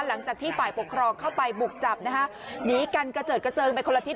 หลังจากที่ฝ่ายปกครองเข้าไปบุกจับนะฮะหนีกันกระเจิดกระเจิงไปคนละทิศ